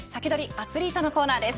アツリートのコーナーです。